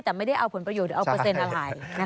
แต่ไม่ได้เอาผลประโยชน์หรือเอาเปอร์เซ็นต์อะไร